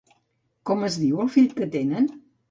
Com es diu el fill que tenen?